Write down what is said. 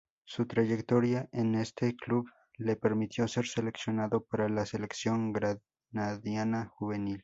Su trayectoria en este club le permitió ser seleccionado para la selección granadina juvenil.